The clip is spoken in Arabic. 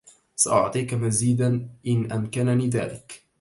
سأعطيك مزيدا إن أمكنني ذلك.